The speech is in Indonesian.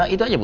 itu aja bu